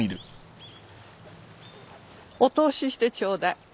お通ししてちょうだい。